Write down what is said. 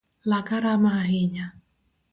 Laka rama ahinya.